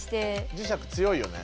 磁石強いよね？